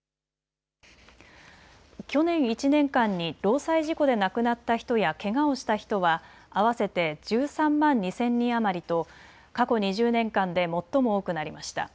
去年１年間に労災事故で亡くなった人やけがをした人は合わせて１３万２０００人余りと過去２０年間で最も多くなりました。